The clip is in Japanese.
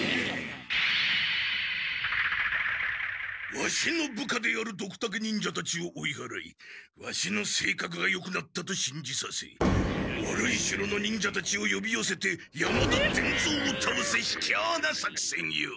ワシの部下であるドクタケ忍者たちを追いはらいワシのせいかくがよくなったとしんじさせ悪い城の忍者たちをよびよせて山田伝蔵をたおすひきょうなさくせんよ！